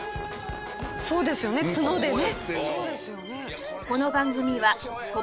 そうですよね角でね。